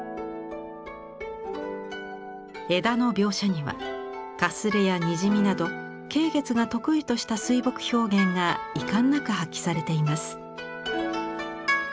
枝の描写にはかすれやにじみなど桂月が得意とした水墨表現が遺憾なく発揮されています。